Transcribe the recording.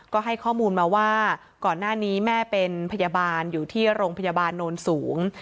ก็ให้ข้อมูลมาว่าก่อนหน้านี้แม่เป็นพยาบาลอยู่ที่โรงพยาบาลโนนสูง